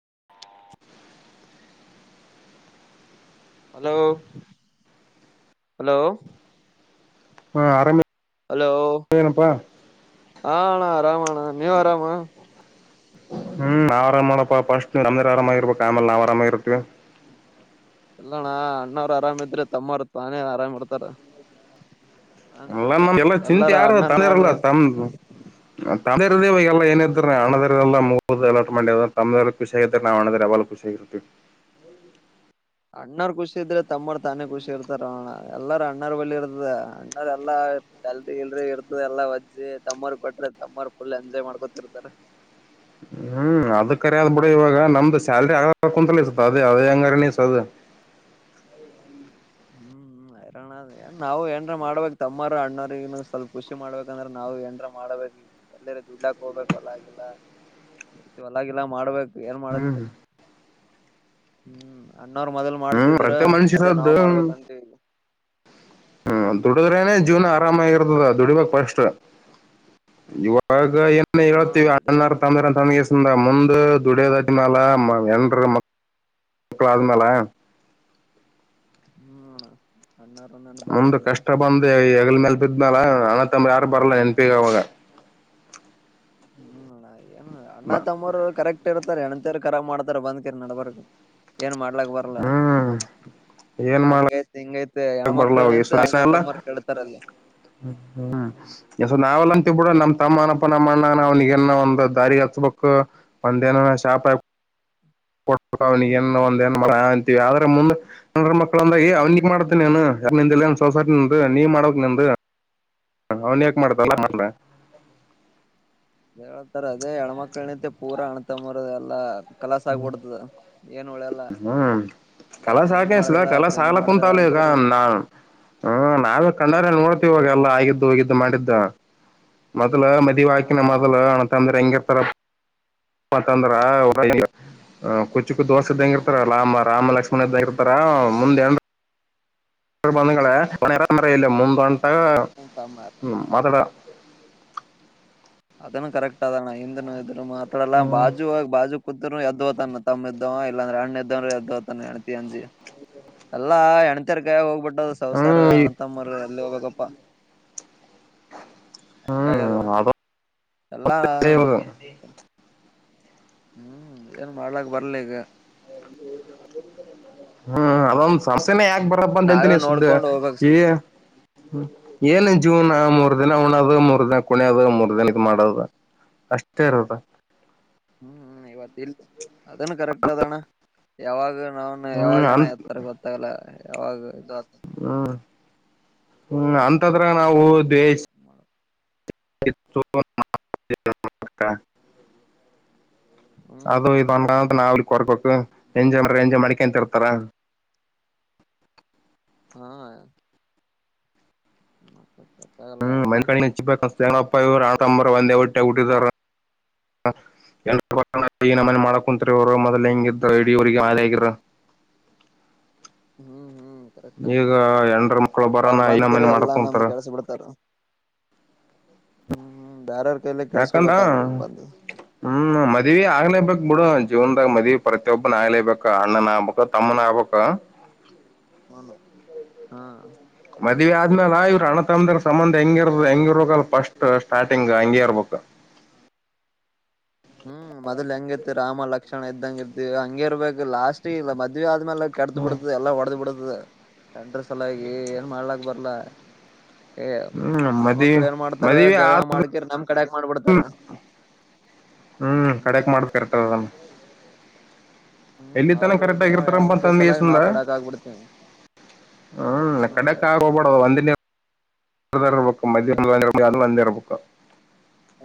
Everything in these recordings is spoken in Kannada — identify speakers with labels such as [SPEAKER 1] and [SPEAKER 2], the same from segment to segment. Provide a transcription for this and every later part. [SPEAKER 1] [inaudible] ಹಲೋ ಹಲೋ
[SPEAKER 2] ಹಾ ಆರಾಮ್
[SPEAKER 1] ಹಲೋ ಅಣ್ಣ ಆರಾಮಣ್ಣ ನೀವು ಆರಾಮಾ
[SPEAKER 2] ಹ್ಮ್ ನಾವ್ ಆರಾಮ್ ಮಾಡಪ್ಪ ಫಸ್ಟ್ ನಮ ಆರಾಮ ಇರ್ಬೇಕಾ ಆಮೇಲೆ ನಾವ್ ಆರಾಮ ಇರ್ತಿವಿ
[SPEAKER 1] ಇಲ್ಲಣ್ಣ ಅಣ್ಣವ್ರ್ ಆರಾಮಿದ್ರೆ ತಮ್ಮರು ತಾನೇ ಆರಾಮ್ ಇರ್ತಾರ ಆರಾಮ್
[SPEAKER 2] ಎಲ್ಲ
[SPEAKER 1] ಇರ್ತಾರ
[SPEAKER 2] ಎಲ್ಲ ಚಿಂತೆ
[SPEAKER 1] ಎಲ್ಲಾರ
[SPEAKER 2] ಯಾರು [unintelligible]
[SPEAKER 1] ಅಣ್ಣನ್
[SPEAKER 2] [unintelligible] [unintelligible]
[SPEAKER 1] ಮ್ಯಾಲ
[SPEAKER 2] [unintelligible] ತಮ್ದಿರು ಖುಷಿಯಾಗಿದ್ರ ನಾವು ಅಣಿದಿರು ಯಾವಾಗ್ಲೂ ಖುಷಿಯಾಗಿರ್ತೀವಿ
[SPEAKER 1] ಅಣ್ಣರ್ ಖುಷಿ ಇದ್ರೆ ತಮ್ಮರು ತಾನೇ ಖುಷಿ ಇರ್ತಾರೋಣ ಎಲ್ಲಾರ ಅಣ್ಣಾರ್ ಬಳಿ ಇರ್ತದೆ ಅಣ್ಣರ್ ಎಲ್ಲಾ ತಲ್ದ ಇಲ್ರಿ ಇರ್ತದ ಎಲ್ಲಾ ವಜ್ಜಿ ತಮ್ಮರ್ ಕೊಟ್ರೆ ತಮ್ಮರ್ ಫುಲ್ ಎಂಜಾಯ್ ಮಾಡ್ಕೊತಿರ್ತಾರೆ
[SPEAKER 2] ಹ್ಮ್ ಅದ ಕರೆ ಅದ್ ಬಿಡು ಇವಾಗ ನಮ್ದು ಸ್ಯಾಲ್ರಿ ಆ ಕುಂತ ಇರ್ಸತ ಅದೇ ಅದೇ ಅಂಗಾರನಿಸದು
[SPEAKER 1] ಹ್ಮ್ ಹರನ್ ನಾವು ಏನ್ರ ಮಾಡ್ಬೇಕ್ ತಮ್ಮರು ಅಣ್ಣ್ರಗನು ಸ್ವಲ್ಪ ಖುಷಿ ಮಾಡಬೇಕಂದ್ರೆ ನಾವು ಏನ್ರ ಮಾಡ್ಬೇಕು ಎಲ್ಲ ದುಡ್ಡಾಕ್ ಹೋಗ್ಬೇಕು ಹೊಲಾಗಿಲ್ಲ ಹೊಲಾಗಿಲ್ಲಾ ಮಾಡ್ಬೇಕು ಏನ್
[SPEAKER 2] ಹ್ಮ್
[SPEAKER 1] ಮಾಡತ್ತಾರೆ ಹ್ಮ್ ಅಣ್ಣವರು ಮೊದ್ಲ್ ಮಾಡ್ತಿದ್ರ
[SPEAKER 2] ಪ್ರತಿ
[SPEAKER 1] ಅದೇ
[SPEAKER 2] ಮನುಷ್ಯರದ್ದು
[SPEAKER 1] ನಾವ್ ಮಾಡ್ಬೇಕಂತವಿ
[SPEAKER 2] ದುಡಿದ್ರೇನೆ ಜೀವನ ಆರಾಮಾಗಿರ್ತದ ದುಡಿಬಾಗ ಫಸ್ಟ್ ಇವಾಗ ಈಗ ಏನ್
[SPEAKER 1] ಹಾ
[SPEAKER 2] ಹೇಳತಿವಿ ಅಣ
[SPEAKER 1] ದುಡಿಬೇಕಣ್ಣ
[SPEAKER 2] ತಂದ ಮುಂದ ದುಡಿಯದಾದ್ಮಾಲ ಹೆಂಡ್ರು ಮಕ್ಕ ಮಕ್ಕಳಾದ್ಮಾಲ
[SPEAKER 1] ಹ್ಮ
[SPEAKER 2] ಮುಮ್ದ್ ಕಷ್ಟ ಬಂದೆ ಹೆಗಲ್ ಮೇಲ್ ಬಿದ್ಮ್ಯಾಲ ಹಣ ಯಾರು ಬರಲ್ಲ ನೆನ್ಪಿಗ ಅವಾಗ
[SPEAKER 1] ಹ್ಮ್ ಏನು ಅಣ್ಣ ತಮ್ಮೂರು ಕರೆಕ್ಟ್ ಇರ್ತಾರೆ ಹೆಣಂತ ಕರಾ ಮಾಡ್ತಾರ ಬಂದ್ ಕರ್ ನಡಬಾರ ಏನ್ ಮಾಡ ಬರಲ್ಲ
[SPEAKER 2] ಹ್ಮ್ ಏನ್ ಮಾಡಕ್
[SPEAKER 1] ಹಂಗೈತಿ ಹಿಂಗೈತಿ ಮ ಹೆಣ್ಮಕ್ಳ ನಿಂತ ಅಣ್ಣ ತಮ್ಮರ್ ಕೇಳ್ತಾರಲ್ಲ
[SPEAKER 2] ಹ್ಮ್ ಎಸ ನಾವೆಲ್ಲ ಅಂತೀವ ಬಿೂಡ ನಮ ತಮ್ಮವನ ಅಣ್ಣಾವನ್ಪ ಒಂದು ದಾರಿ ಹಚ್ಬೇಕು ಒಂದೇನ ಶಾಪ್ ಆ ಕೊಡ್ಬೇಕ ಅವ್ನಿಗೆ ಏನ್ ಒಂದ ಏನ್ ಮಾಡ ಅಂತೀವಿ ಆದ್ರೆ ಮುಂದ ನ ಮಕ್ಳಂದಾಗ ಅವ್ನಿಗೆ ಮಾಡ ನೀನು ಯಾರ ನಿಂದಿಲ್ಲ ಸೊಸೈಟಿ ನಿ ನೀ ಮಾಡಕ್ ನಿಂದ ಅವನ್ ಯಾಕ್ ಮಾಡತಲ್ಲ ಮಾಡಣ
[SPEAKER 1] ಹೇಳ್ತಾರೆ ಅದೇ ಹೆಣ್ಮಕ್ಳು ಏ ಪೂರ ಅಣ್ತಂಬರ ಎಲ್ಲಾ ಕಲಸ ಆಗ್ಬಿಡ್ತದ ಏನು ಒಳೆಲ್ಲ
[SPEAKER 2] ಕಲಸಾಗಾಕೆ ಕಲಸಾಗಲ ಕುಂತಾವಲ್ಲ
[SPEAKER 1] ಅಂದಕೇರಿ
[SPEAKER 2] ನಾ ಹ್ಮ್ ನಾವೇ ಕಣ್ಣಾರ
[SPEAKER 1] ಹ್ಮ್
[SPEAKER 2] ನೋಡ್ತಿವಾಗಲ್ಲ ಆಗಿದ್ದು ಹೋಗಿದ್ದು ಮಾಡಿದ್ದ ಮೊದ್ಲು ಮದ್ವೆ
[SPEAKER 1] ಹಾ
[SPEAKER 2] ಹಾಕಿನ ಮೊದ್ಲು
[SPEAKER 1] ಹೌದು
[SPEAKER 2] ಅಣಂತಂದ್ರೆ ಹೆಂಗ [unintelligible] ಹ ಕುಚಿಕ್ಕ ದೋಸ್ತ್ ಇದ್ದಂಗ ಇರ್ತಾರ ರಾಮ ರಾಮ ಲಕ್ಷ್ಮಣ ಇದ್ದಂಗ ಇರ್ತಾರ ಮುಂದೆ [unintelligible] ಮುಂದ ಹೊಂಟ
[SPEAKER 1] ತಮ್ಮ
[SPEAKER 2] ಮದಡ [unintelligible]
[SPEAKER 1] ಇದನು ಕರೆಕ್ಟ್ ಅದಣ ಹಿಂದ ಇದ ಮಾತ್ರ ಎಲ್ಲಾ
[SPEAKER 2] ಹ್ಮ್
[SPEAKER 1] ಬಾಜು ಆಗ ಬಾಜು ಕುತ್ರು ಯದ್ದ ತಾನೆ ತಮ್ಮ ಇದ್ದವ ಇಲ್ಲಾಂದ್ರೆ ಅಣ್ಣ ಇದ್ದವ್ರು ಯದ್ದ ತಾನೆ ಅನತಿ ಅಂಜಿ ಎಲ್ಲಾ ಎಣತರ್ ಕಾಯ ಹೋಗ್ಬಿಟ್ಟದ ಸವಸಾರ
[SPEAKER 2] ಹ್ಮ್ ಈ-
[SPEAKER 1] ಅಣಂತಮ್ಮರ್ ಎಲ್ಲಿ ಹೋಗಪ್ಪ ವಾ ಹಂಗಾಗ ಅದು
[SPEAKER 2] ಹ್ಮ್ ಅದೊಂದ್
[SPEAKER 1] ಎಲ್ಲಾ
[SPEAKER 2] ಇವಾಗ
[SPEAKER 1] ಹ್ಮ್ ಏನ್ ಮಾಡ್ಲಕ್ ಬರ್ಲ ಈಗ
[SPEAKER 2] ಹ್ಮ್ ಅದೊಂದು ಸಸೆನೆ ಯಾಕೆ ಬರಪ್ಪ ಅಂತ
[SPEAKER 1] ನಾವೇ
[SPEAKER 2] ಎಂತನ ಸುದ್ದ
[SPEAKER 1] ನೋಡ್ಕೊಂಡ್ ಹೋಗ್ಬೇಕ್
[SPEAKER 2] ಈ
[SPEAKER 1] ಸ್ವಲ್ಪ
[SPEAKER 2] ಏನ್ ಜೀವ್ನ ಮೂರ್ ದಿನ ಹುಣ ಆದಾಗ ಮೂರ್ ದಿನ ಕುಣಿಯ ಆದಾಗ ಮೂರ್ ದಿನ ಇದ್ ಮಾಡದ ಅಷ್ಟೇ ರೋಗ
[SPEAKER 1] ಹ್ಮ್ ಇವತ್ ಇಲ್ ಅದನ್ನು ಕರೆಕ್ಟ್ ಅದಣ ಯಾವಾಗ ನಾವನ್
[SPEAKER 2] ಹ್ಮ್
[SPEAKER 1] ಯಾವಾಗ ಣ
[SPEAKER 2] ಅಂತ
[SPEAKER 1] ಇತಾರೆ ಗೊತ್ತಾಗಲ್ಲ ಯಾವಾಗ ಇದುತ
[SPEAKER 2] ಹ್ಮ್ ಅಂತದ್ರ ನಾವು ದ್ವೇಷ [unintelligible]
[SPEAKER 1] ಹ್ಮ್
[SPEAKER 2] ಅದು
[SPEAKER 1] ಹ್ಮ್
[SPEAKER 2] ಇದೊನ್ಕಂತ ನಾವವು ಕೊರ್ಕೋಕ್ ಎಂಜನರ ಎಂಜ ಮಣಿಕ ಅಂತರ್ತಾರ
[SPEAKER 1] ಹ್ಮ [unintelligible]
[SPEAKER 2] ಹ್ಮ್
[SPEAKER 1] ಅದಣ್ಣ
[SPEAKER 2] [unintelligible] ಹಚ್ಚಿತಪ್ಪ ಇವರುಂಬ ಒಂದೇ ಒಟ್ಟೆ ಹಟ್ಟಿದಾರ [unintelligible] ಮನೆ ಮಾಡ ಕುಂತ್ರಿ ಅವರು ಮೊದ್ ಹೆಂಗ ಇದ್ ಇಡ್ರಿಗೆ ಆಗರ
[SPEAKER 1] ಹ್ಮ್ ಹ್ಮ್ ಕರೆಕ್ಟ್
[SPEAKER 2] ಈಗ ಎಂಡ್ರ ಮಕ್ಳು ಬರೋಣ
[SPEAKER 1] ಅವರು
[SPEAKER 2] ಈ
[SPEAKER 1] ಬಂದ್ ಕರಿ
[SPEAKER 2] ನಮ್ಮನೆ ಮಾಡಕ್
[SPEAKER 1] ಎಲ್ಲಾ ನಮ್ದ
[SPEAKER 2] ಕುಂತಾರ
[SPEAKER 1] ಕೆಲ್ಸ ಬಿಡ್ತಾರ ಹ್ಮ್ ಬಾರ
[SPEAKER 2] ಯಾಕಂದ ಹ್ಮ ಮದ್ವಿ ಆಗ್ಲೇಬೇಕಕ್ ಬಿಡು ಜೀವನ್ದಾಗ ಮದ್ವಿ ಪ್ರತಿಯೊಬ್ಬನ ಆಗ್ಲೇಬೇಕ ಅಣ್ಣನ ಆಗ್ಬಬೇಕ ತಮ್ಮನ ಆಗ್ಬಬೇಕಕ್
[SPEAKER 1] [unintelligible]
[SPEAKER 2] ಮದ್ವಿ ಆದ್ಮೇಲ ಇವ್ ಅಣ ತಮದ ಸಂಬಂಧ ಹೆಂಗಿರ್ ಹೆಂಗಿ ಇರ್ಬೇಕಲ್ ಫಸ್ಟ್ ಸ್ಟಾರ್ಟಿಂಗ್ ಹಂಗೆ ಇರ್ಬೇಕ್.
[SPEAKER 1] [inaudible] ಹ್ಮ್ ಮದ್ಲ ಹೆಂಗ ಇತಿ ರಾಮ ಲಕ್ಷಣ ಇದ್ದಂಗ ಇರ್ತಿವಿ ಹಂಗ ಇರ್ಬೇಕು ಲಾಸ್ಟ್ ಇಲ್ಲ ಮದ್ವಿ ಆದ. ಮೇಲೆ ಕೆಟ್ಟ
[SPEAKER 2] ಹ್ಮ್
[SPEAKER 1] ಬಿಡತದೆ ಎಲ್ಲ ಒಡೆದ ಬಿಡತದೆ. ಅದರ ಸಲವಾಗಿ ಏನ್ ಮಾಡ್ಲಕ್ ಬರ್ಲಾ. ಏ
[SPEAKER 2] ಹ್ಮ್ ಮದ್ವಿ
[SPEAKER 1] ಹೆಣ್ಮಕ್ಳು ಏನ್ ಮಾಡ್ತಾರ
[SPEAKER 2] ಮದ್ವಿ
[SPEAKER 1] ಜಗಳ
[SPEAKER 2] ಆದ
[SPEAKER 1] ಮಾಡ್ಕಿರ್ ನಮ. ಕಾಡ್ಯಾಕ್ ಮಾಡ್ಬಿಡ್ತಾರ.
[SPEAKER 2] ಹ್ಮ್ ಕಡೆಕ್ ಮಾಡ್ ಇರ್ತದ ಅದನ್ನು.
[SPEAKER 1] ಹ್ಮ್
[SPEAKER 2] ಎಲ್ಲಿ ತನ
[SPEAKER 1] ಅವ್ರು
[SPEAKER 2] ಕರೆಕ್ಟ್
[SPEAKER 1] ಇದು ಮಾಡಿ
[SPEAKER 2] ಆಗಿರ್ತಾರಪ್ಪ.
[SPEAKER 1] ಹೆಣ್ಮಕ್ಳ ಸಲಾಗಿ ನಾವ್
[SPEAKER 2] [unintelligible]
[SPEAKER 1] ಕಡಕ್ ಆಗ್ಬಿಡ್ತೇವಿ
[SPEAKER 2] ಹ್ಮ್ ಕಡೆಕ್ ಆಗ ಹೋಗ್ ಬ್ಯಾಡೊ ಒಂದಿನ. ಮದಾರರ ಪಕ್ಕ ಮಧ್ಯ ಮುಂದರ ಮಂದ್ಯ ಇರ್ಬೇಕು.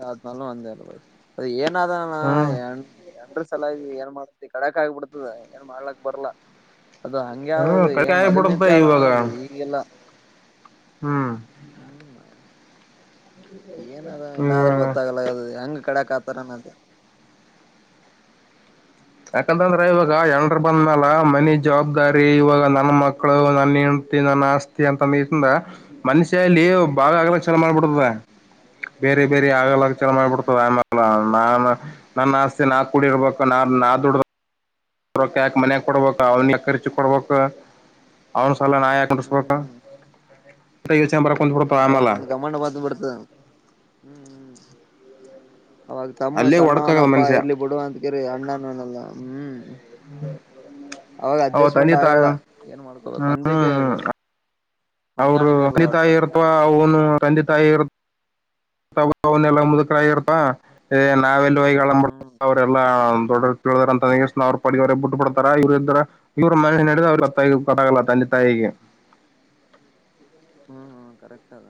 [SPEAKER 1] ಹಾ ನಾನು ಅಂದೇ ನೋಡ್ ಏ ಏನ್ ಅದಾನ್
[SPEAKER 2] ಹ್ಮ್
[SPEAKER 1] ಅವ. ಸಲಾಗಿ ಏನ್ ಮಾಡ್ತಿ ಕಡಕ್ ಆಗಬಿಡ್ತದ ಏನ್ ಮಾಡ್ಲಕ್ ಬರ್ಲಾ. ಅದು ಹಂಗೆ
[SPEAKER 2] ಹ್ಮ್
[SPEAKER 1] ಆದದು
[SPEAKER 2] ಕಡಿಕೆ
[SPEAKER 1] ಏನ್ ಮೊದ್ಲ್
[SPEAKER 2] ಆಗ್ಬಿಡುತ್ತೆ
[SPEAKER 1] ನಿಂತ ಆದ
[SPEAKER 2] ಇವಾಗ
[SPEAKER 1] ಅದು ಈಗೆಲ್ಲ.
[SPEAKER 2] ಹ್ಮ್.
[SPEAKER 1] ಏನಾದ
[SPEAKER 2] ಇವಾಗ
[SPEAKER 1] ಇನ್ನಾದರೂ ಗೊತ್ತಾಗಲ್ಲ ಹೆಂಗ ಕಡಕ್ ಆತಾರನದು.
[SPEAKER 2] ಯಾಕಂತಂದ್ರ ಇವಾಗ ಎನ್ರು ಬಂದನಾಲ ಮನಿ ಜವಾಬ್ದಾರಿ ಇವಾಗ ನನ್ ಮಕ್ಳು ನನ್ನ್. ನನ್ನ ಆಸ್ತಿ ಅಂತಿಂದ ಮನುಷ್ಯಲ್ಲಿ ಬಳ ಆಗಲ ಚಲ ಮಾಡ್ಬಿಡ್ತದ. ಬೇರೆ ಬೇರೆ. ಆಗ ಚಲ
[SPEAKER 1] ಹ ಹ
[SPEAKER 2] ಮಾಡ್ಬಿಡ್ತದೆ ಆಮೇಲೆ ನಾ ನನ್ನ ಆಸ್ತಿ ನಾ ಕುಡಿ ಇರ್ಬೇಕು ನ ನ. ದುಡಕ ರೊಕ್ಕ ಯಾಕೆ ಮನ್ಯಾಗ ಕೊಡ್ಬೇಕ ಅವನ್ಗೆ ಖರ್ಚ ಯಾಕ ಕೊಡ್ಬೇಕ. ಅವನ ಸಲ್ವಾಗಿ ನಾ ಯಾಕ
[SPEAKER 1] ಹ್ಮ್ ಹ್ಮ್
[SPEAKER 2] ನಡಸಬೇಕ್ ಇದ ಯೋಚನೆ.
[SPEAKER 1] ಹ್ಮ್
[SPEAKER 2] ಕುಂತ್
[SPEAKER 1] ಹ್ಮ್
[SPEAKER 2] ಬಿಡ್ತಾವ
[SPEAKER 1] ಅವಾಗ
[SPEAKER 2] ಆಮೇಲ
[SPEAKER 1] ಒಂದ್ ಗಮಂಡ ಬತ ಬಿಡ್ತದ ಹ್ಮ್ ಹ್ಮ್ಮ್. ಅವಾಗ ತಮ್ಮ
[SPEAKER 2] ಅಲ್ಲೇ ಒಡಕಾಗದ
[SPEAKER 1] ಸಣ್ಣವನಪ್ಪಾ
[SPEAKER 2] ಮನುಷ್ಯ
[SPEAKER 1] ಇರ್ಲಿ ಬಿಡುವ ಅಂತ ಕರಿ ಅಣ್ಣನು ಅನಲ್ಲ. ಅವಾಗ
[SPEAKER 2] ಅವ
[SPEAKER 1] ಅಡ್ಜಸ್ಟ್ಮೆಂಟ್
[SPEAKER 2] ತಂದೆ ತಾಯಿ
[SPEAKER 1] ಆಗಲ್ಲ ಏನ್ ಮಾಡ್ಕೋಬೇಕು ಒಂದಕ್ಕೆ.
[SPEAKER 2] ಅವರು ತಂದೇ ತಾಯಿ ಇರ್ತವಾ ಅವನು ತಂದೇ ತಾಯಿ ಇರ್. ಅವಲ್ಲ ಮುದುಕರಾಗಿರ್ತ ನಾವೆಲ್ಲಿ ಹೋಗ ಅಳಂಬ
[SPEAKER 1] ಹ್ಮ್
[SPEAKER 2] ಅವ್ರಲ್ಲಾ. ದೊಡ್ಡಳಿದಾರ ಅಂತ ಸ್ನ ಪಡರೆೇ ಬಿಟ್ಟು ಪಡ್ತಾರೆ ಇವರು ಇದ್ದಾರೆ ಇವ್ರ ಮನೆ ನಡ ಅವ್ರತ್ತ ಗತ್ತಾಗಲ್ಲ. ತಾಯಿಗೆ.
[SPEAKER 1] [inaudible] ಹ್ಮ ಕರೆಕ್ಟ್ ಅದ.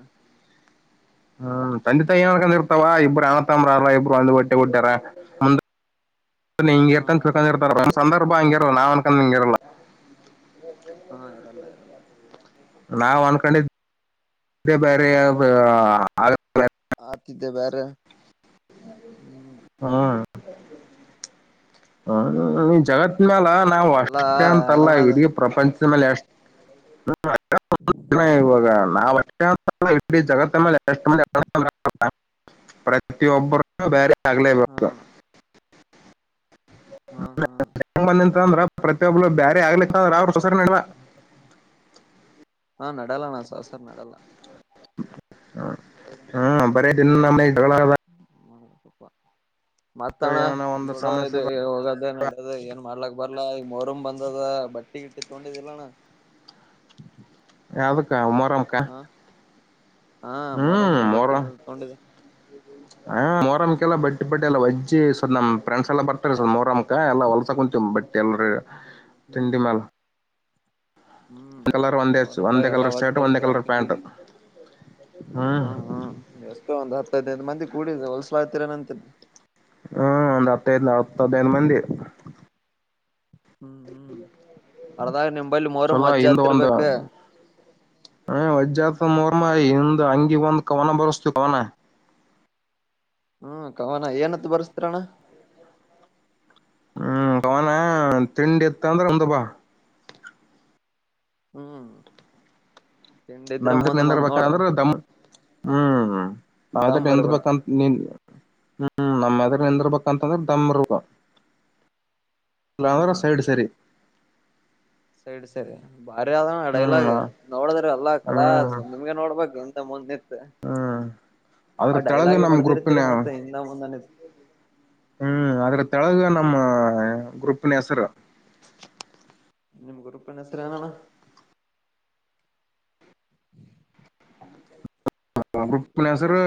[SPEAKER 2] ಹ್ಮ್ ತಂದೆ ತಾಯಿ ಏನನ್ಕೊಂಡ್ ಇರ್ತಾವ. ಅನತ್ತಂಬರ ಅ ಇಬ್ರು ಒಂದು ಒಟ್ಟಿ ಬಹುಟ್ಟಾರ ಮುಂದ. ನೀ [unintelligible]
[SPEAKER 1] ಹಾ
[SPEAKER 2] ಇಡ್ತ ಸಂದರ್ಭಾಂಗ ನಾನಕ ಇಂಗ ಇರಲ್ಲ.
[SPEAKER 1] ಹಾ ಇರಲ್ಲ ಇರಲ್ಲ.
[SPEAKER 2] ನಾವ್ ಅಂದಕೊಂಡಿದ್ದ ಬೇರೆ ಅದ ಆಗೋದ.
[SPEAKER 1] ಅಕ್ಕಿದ ಬೇರೆ. ಹ್ಮ್
[SPEAKER 2] [inaudible] ಹ್ಮ ಈ ಜಗತ್ತ
[SPEAKER 1] ಮಾಡ್ಬೇಕ
[SPEAKER 2] ನ್ಯಾಗ ನಾವವು
[SPEAKER 1] ಎಲ್ಲಾ
[SPEAKER 2] ಅಷ್ಟೇ ಅಂತಲ್ಲ
[SPEAKER 1] ಹೈರಾಣ ಅದ
[SPEAKER 2] ಇಡೀ ಪ್ರಪಂಚದ ಮೇಲೆ ಎಷ್ಟ. [unintelligible] ಇವಾಗ ನಾಲ್ಕು. ಇ ಜಗತ್ತ ಮೇಲೆ [unintelligible] ಪ್ರತಿಯೊಬ್ಬರು ಬೇರೆ.
[SPEAKER 1] ಹಾ
[SPEAKER 2] [unintelligible]
[SPEAKER 1] ಹಾ ಹಾ.
[SPEAKER 2] ಅಂದ್ರ ಪ್ರತಿಯೊಬ್ಳ ಬೇರೆ ಆಗ್ಲಿಕ್ಕ ಅಂದ್ರ ಅವ್ರ ಸೊಸೆರ್ ನಡವ.
[SPEAKER 1] ಹಾ ನಡ್ಯಲ್ಲ ಅಣ್ಣ ಸಸರ್ ನಡ್ಯಲ್ಲ.
[SPEAKER 2] ಹ ಹಾ ಬರ ದಿನ ನಮ ಮನೆ.
[SPEAKER 1] ಮತ್ತಣ
[SPEAKER 2] ಏನಾನ
[SPEAKER 1] ಇ
[SPEAKER 2] ಒಂದು
[SPEAKER 1] ಬಿಡೋ
[SPEAKER 2] ಸಮಸ್ಯೆ
[SPEAKER 1] ಇದು
[SPEAKER 2] ಬ
[SPEAKER 1] ಹೋಗೋದ ಏನ್ ನಡೋದು ಏನ್ ಮಾಡ್ಲಕ್. ಬರ್ಲಾ ಈಗ ಮೊಹರಂ ಬಂದದ ಬಟ್ಟಿಗಿಟ್ಟಿ ತಗೊಂಡಿದಿಲ್ಲಾನ.
[SPEAKER 2] ಯಾವುದಕ್ಕಾ ಮೊಹೊರಮ್ಮಕ.
[SPEAKER 1] ಹಾ ಮೊರಂ
[SPEAKER 2] ಹ್ಮ್ ಮೊರ
[SPEAKER 1] ಬಟ್ಟಿ ತೊಗೊಂಡಿದೆ
[SPEAKER 2] ಹ ಮೊರಂಕ್ಕೆಲ್ಲ ಬಟ್ಟ. ಬಟ್ ಎಲ್ಲ ವಜ್ಜಿ ನಮ್ ಫ್ರೆಂಡ್ಸ್ ಎಲ್ಲ ಬರ್ತಾರೆ ಸೋ ಮೋಹರಮ್ಮಕ್ಕ ಎಲ್ಲ ಹೊಲ್ಸ ಕುಂತಿವಿ ಬಟ್ ಎಲ್ರೂ
[SPEAKER 1] ಹ್ಮ್ ಹ್ಮ್
[SPEAKER 2] ಒಂದ ಕಲರ್ ಒಂದೇ
[SPEAKER 1] ಮೊರಮ್ದಾಗ
[SPEAKER 2] ಒಂದೇ ಕಲರ್ ಶರ್ಟ್ ಒಂದೇ ಕಲರ್ ಪ್ಯಾಂಟ್ ಹ್ಮ್
[SPEAKER 1] ಹ್ಮ ಹ್ಮ್ ಎಷ್ಟು ಒಂದು ಹತ್ತದ್ನೈದು ಮಂದಿ ಕೂಡಿದೆ ಹೊಲ್ಸಲಾ ಆತೀರ ಅಂತಿನ
[SPEAKER 2] ಹ್ಮ್ ಒಂದ್ ಹತ್ತೈದ್ ಹತ್ತ ಹದೈದ್ ಮಂದಿ
[SPEAKER 1] ಹ್ಮ್ ಹ್ಮ್ ಅರ್ದಾಗ ನಿಮ್ ಬಳಿ ಮೋರು
[SPEAKER 2] ಚಲೋ
[SPEAKER 1] ಮಜ್ಜಾ
[SPEAKER 2] ಹಿಂದ ಒಂದ
[SPEAKER 1] ಹತಿರ್ಬೇಕ
[SPEAKER 2] ಹ ವಜ್ಜಿ ಪಾ ಮೊಹ್ರಮ ಹಿಂದ ಅಂಗಿ ಒಂದ್ ಕವನ ಬರಸ್ತವಿ ಕವನ.
[SPEAKER 1] ಹ್ಮ್ ಕವನ ಏನಂತ ಬರ್ಸ್ತರಣ್ಣ
[SPEAKER 2] ಹ್ಮ್ ಕವನ ತಿಂಡಿ ಎತ್ತ ಅಂದ್ರೆ ಒಂದ ಬಾ
[SPEAKER 1] ಹ್ಮ್ ತಿಂಡಿದ್ರ
[SPEAKER 2] ನಮ್ಮ
[SPEAKER 1] ಮುಂದ್ ಬಂದ್
[SPEAKER 2] ನಿಂದಿರ್ಬೇಕ
[SPEAKER 1] ನೋಡ
[SPEAKER 2] ಅಂದ್ರೆ ದಮ್ಮ ಹ್ಮ್ ನಾವ
[SPEAKER 1] ದಮ್
[SPEAKER 2] ಎಂದ
[SPEAKER 1] ಇರ್ಬೇಕ
[SPEAKER 2] ಬಂತ ನೀನ್ ಹ್ಮ್ ನಮ್ಮ್ ಎಂದಿಬೇಕಂತಂದ್ರೆ ದಮರ್ಗ ಅಂದ್ರೆ
[SPEAKER 1] ಹ್ಮ್
[SPEAKER 2] ಸೈಡ್ ಸರಿ
[SPEAKER 1] ಸೈಡ್ ಸೈರಿ ಬಾರಿ ಆದಣ
[SPEAKER 2] ಹ್ಮ್
[SPEAKER 1] ಡೈಲಾಗ್ ನೋಡದ್ರ ಅಲ್ಲಾ ಕಲಾ
[SPEAKER 2] ಹ್ಮ್
[SPEAKER 1] ನಿಮ್ಗೆ ನೋಡ್ಬ ಮುಂದ ಇತ್ತು
[SPEAKER 2] ಹ್ಮ್
[SPEAKER 1] ಆ
[SPEAKER 2] ಅದ್ರ ತೆಳಗ
[SPEAKER 1] ಡೈಲಾಗ್
[SPEAKER 2] ನಮ್ ಗ್ರೂಪಿನ
[SPEAKER 1] ಬರ್ದಿರ್ತ್ತೀರಿ ಮತ್ತೆ ಇನ್ನ ಮುಂದನ ಇ
[SPEAKER 2] ಹ್ಮ್ ಅದ್ರ ತೆಳಗ ನಮ್ಮ ಗ್ರೂಪಿನ ಹೆಸರು
[SPEAKER 1] ನಿಮ್ಮ ಗ್ರೂಪಿನ ಹೆರ್ಸು ಏನನ್ನ
[SPEAKER 2] ನಮ್ಮ್ ಗ್ರೂಪ್
[SPEAKER 1] ಗ್ರೂಪಿನ
[SPEAKER 2] ಹೆಸರು
[SPEAKER 1] ಹೆಸ್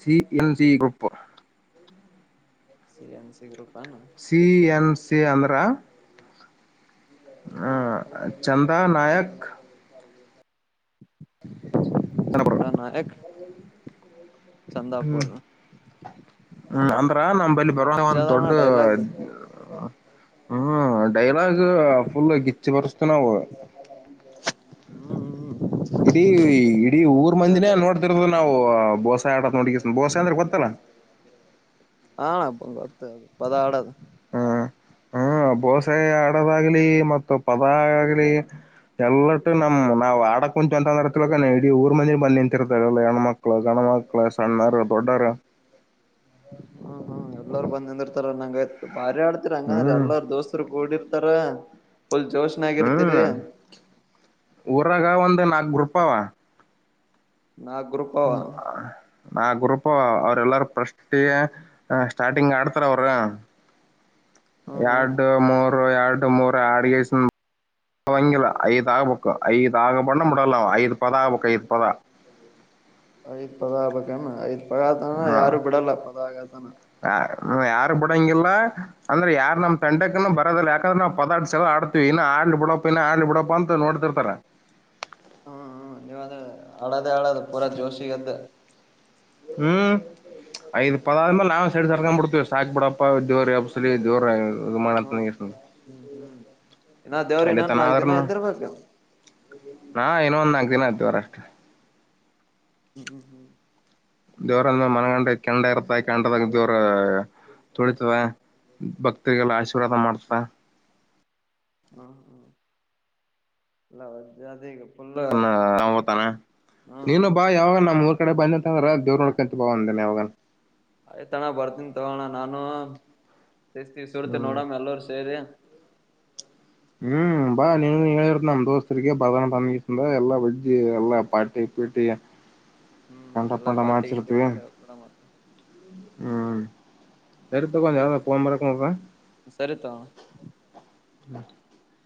[SPEAKER 2] C N C group
[SPEAKER 1] C N C group ಏನ
[SPEAKER 2] ಸಿ ಎನ್ ಸಿ ಅಂದ್ರ
[SPEAKER 1] ಹಾ
[SPEAKER 2] ಚಂದ ನಾಯಕ್ ನಬರು
[SPEAKER 1] ನ ನಾಯಕ್ ಚಂದಾಪೂರ
[SPEAKER 2] ಹ್ಮ ಅಂದ್ರ ನಮಲ್ಲಿ ಬರುವಂತ ಒಂದು
[SPEAKER 1] ಅದಣ್ಣ
[SPEAKER 2] ದೊಡ್ಡ
[SPEAKER 1] ಡೈಲಾಗ್
[SPEAKER 2] ಹ್ಮ್ ಡೈಲಾಗಫುಲ್ ಗಿಚ್ಚಿಪರುಸ್ ನವು
[SPEAKER 1] ಹ್ಮ್
[SPEAKER 2] ಇಡೀ
[SPEAKER 1] ಹ್ಮ್
[SPEAKER 2] ಇಡೀ ಊರ್
[SPEAKER 1] ವಜ್ಜ
[SPEAKER 2] ಮಂದಿನೇ ನೋಡ್ತಿರದದು ನಾವು ಬೋಸಾ ಆಡತ್ ನೋಡ ಬೋಸೆ ಅಂದ್ರೆ ಗೊತ್ತಲ್ಲಾ.
[SPEAKER 1] ಹ ಗೊತ್ತು ಅದು ಪದಾ ಅಡದು
[SPEAKER 2] ದ ಆಗಲಿ ಮತ್ತು ಪದ ಆ ಆಗ್ಲಿ ಎಲ್ಲಟ್ಟು ನಮ ನಾವ್ ಆಡಕ್ ಕುಂಚು ಅಂತ ಅಂದ್ರ ತಿಕ ಇಡ ಊರ್ ಮಂದಿರ್ ಬಂದ ನಿಂತಿರ್ತ ಎಲ್ಲ ಹೆಣ್ಮ ಮಕ್ಳ ಗಣ ಕ್ಳ ಸಣ್ಣಾರ ದೊಡ್ಡಾರ
[SPEAKER 1] ಹ್ಮ್ ಹ್ಮ್ ಎಲ್ಲಾರರು ಬಂದ ಅಂದಿರ್ತಾರ ನಂಗಯ್ತು ಬಾರಿ ಆಡ್ತಿರ ಹಂಗಂದ್ರ
[SPEAKER 2] ಹ್ಮ್
[SPEAKER 1] ಎಲ್ಲಾರ ದೋಸ್ತರು ಕೂಡಿ ತ್ತರ ಫುಲ್ ಜೋಷ್ ನಾಗಿರ್ತೀ ರಿ
[SPEAKER 2] ಹ್ಮ್ ಊರಾಗ ಒಂದ್ ನಾಕ್ ಗ್ರೂಪ್ ಅವ
[SPEAKER 1] ನಾಕ್ ಗ್ರೂಪ
[SPEAKER 2] ಆ ಗ್ರೂಪ್ ಅವ್ರ ಎಲ್ಲಾರ ಫರ್ಸ್ಟ್ಯಯ ಸ್ಟಾರ್ಟಿಂಗ್ ಆಡ್ತಾರ ಅವರು
[SPEAKER 1] ಹ್ಮ್ ಹ್ಮ್
[SPEAKER 2] ಎರಡು ಮೂರು ಎರಡು ಮೂರು ಅಡಿಗೆ ಹ ವಂಗಿಲ್ಲ ಐದ ಆಗಬೇಕಕ್ಕ ಐದ ಆಗ ಬಣ ಮುಡಲ್ಲ ಐದ ಪದಾ ಬಕ್ಕ ಐದ ಪದಾ
[SPEAKER 1] ಐದ್ ಪದ ಆಗ್ಬಣ ಐದ್ ಪದ ಆತಾನ
[SPEAKER 2] ಹಾ
[SPEAKER 1] ಯಾರು ಬಿಡಲ್ಲ ಪದ ಆಗತಾನ
[SPEAKER 2] ಯಾರು ಬಿಡಂಗಿಲ್ಲ ಅಂದ್ರೆ ಯಾರ ನಮ್ಮ ತಂಡಕ್ಕನೂ ಬರೋದಿಲ್ಲ ಯಾಕಂದ್ರೆ ನಾವು ಪದಾರ್ಡ್ಸಲ್ಲ ಆಡ್ತೀವಿ ಇನ್ನು ಆಡ್ಲಿ ಬಿಡಪ್ಪ ಇನಆಡ್ಲಿ ಬಿಡಪ್ಪ ಅಂತ ನೋಡ್ತಿರ್ತಾರ
[SPEAKER 1] ಹ್ಮ್ ಹ್ಮ್ ನೀವ ಅದ ಅಳದೆೇ ಅಳದು ಪೂರ ಜೋಶಿಗೆದ್ದು
[SPEAKER 2] ಹ್ಮ್ ಐದ್ ಪದ ಆದ್ಮೇಲೆ ನಾವ್ ಸೈಡ್ ಸರ್ಕೊಂಡ್ ಬಿಡ್ತತಿವಿ ಸಾಕಕ್ ಬಿಡಪ್ಪಾ ದೇವರಿ ಹಸ ದವರ ಇದು
[SPEAKER 1] ಹ್ಮ್
[SPEAKER 2] ಮಾಡಂತ
[SPEAKER 1] ಹ್ಮ್ ಹ್ಮ್ ಇನ್ನ ದೇವ್ರ
[SPEAKER 2] ಅಲ್ಲೇ
[SPEAKER 1] ಇನ್ನೊನ್
[SPEAKER 2] ತನ
[SPEAKER 1] ನಾಲ್ಕ್ ದಿನ
[SPEAKER 2] ಆದ್ರೂನು
[SPEAKER 1] ಇದರ್ಬೇಕ
[SPEAKER 2] ನಾ ಇನ್ನೊ ಒಂದ್ ನಾಲ್ಕು ದಿನ ಆಯ್ತವರ ಅಷ್ಟ
[SPEAKER 1] ಹ್ಮ್ ಹ್ಮ್ ಹ್ಮ್
[SPEAKER 2] ದೇವರ ಅಂದ್ರ ಮನಗಂಡ ಕೆಂಡ ಇರ್ತ ಕಟದಾಗ ದೇವರ ತೊಳಿತವೆ ಭಕ್ತರಿಗೆಲ್ಲ ಆಶೀರ್ವಾದ ಮಾಡ್ತವೆ
[SPEAKER 1] ಎಲ್ಲಾ ವಜ್ಜೀ ಆದ ಇಗ.
[SPEAKER 2] ನ ತಾನ
[SPEAKER 1] ಹ್ಮ್
[SPEAKER 2] ನೀನು
[SPEAKER 1] ಹಂಗ
[SPEAKER 2] ಬಾ ಯಾವಾಗ ನಮ್ಮ್ ಊ ಕಡೆ ಬಂದಂತಂದ್ರೆ ದೂರ್ ನೋಡ್ಕೊಂತ ಬ ಅಂದಾನೆ ಅವಾಗನ್
[SPEAKER 1] ಆಯ್ತಣ ಬರ್ತನ್ ತಗೋಣ ನಾನು ಸಸ್ತೀವಿ ಸುರ್ತಿ
[SPEAKER 2] ಹ್ಮ್
[SPEAKER 1] ನೋಡಮ್ಮ ಎಲ್ಲರ ಸೇರಿ
[SPEAKER 2] ಹ್ಮ್ ಬಾ ನೀ ಹೇಳಿರ್ ನಮ್ ದೋಸ್ತರಿಗೆ ಬದಾನ ತಂದ ಎಲ್ಲಾ ವಜ್ಜ್ ಎಲ್ಲಾ ಪಾರ್ಟಿ ಕಟ್ಟಿಯ
[SPEAKER 1] ಹ್ಮ್ ಎಲ್ಲಾ ಪಾರ್ಟಿ ಗಿಟ್ಟಿ ಮಾಡಿವ ಕೂಡ ಮತ್ತ
[SPEAKER 2] ಸತ ಕೊ
[SPEAKER 1] ಸರಿ
[SPEAKER 2] ಯಾವದ ಪರಕದ
[SPEAKER 1] ಸರಿ ತಗೋಣ
[SPEAKER 2] [unintelligible]